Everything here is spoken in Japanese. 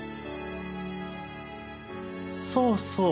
そうそう。